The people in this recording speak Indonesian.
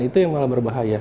itu yang malah berbahaya